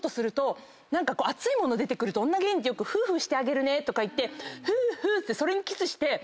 熱いもの出てくると女芸人ってフーフーしてあげるねとか言ってフーフーってそれにキスして。